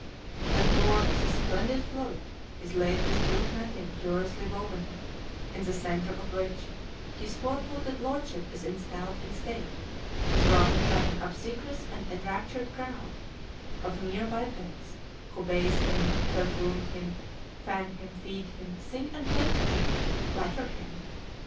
The floor of this splendid float is laid with gilt matting curiously woven, in the centre of which his four footed lordship is installed in state, surrounded by an obsequious and enraptured crowd of mere bipeds, who bathe him, perfume him, fan him, feed him, sing and play to him, flatter him.